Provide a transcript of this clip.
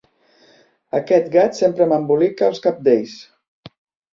Aquest gat sempre m'embolica els cabdells!